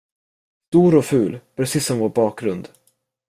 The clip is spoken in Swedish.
Stor och ful, precis som vår bakgrund.